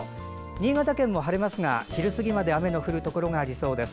新潟県も晴れますが昼過ぎまで雨の降るところがありそうです。